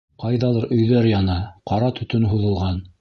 Ҡайҙалыр өйҙәр яна, ҡара төтөн һуҙылған.